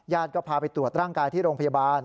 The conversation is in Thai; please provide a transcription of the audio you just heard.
ก็พาไปตรวจร่างกายที่โรงพยาบาล